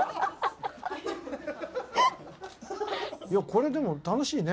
これでも楽しいね。